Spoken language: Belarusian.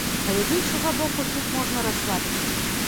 Але з іншага боку, тут можна расслабіцца.